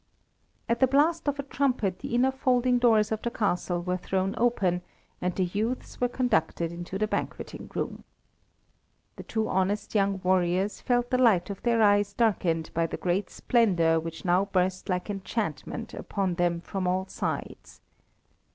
At the blast of a trumpet the inner folding doors of the castle were thrown open, and the youths were conducted into the banqueting room. The two honest young warriors felt the light of their eyes darkened by the great splendour which now burst like enchantment upon them from all sides.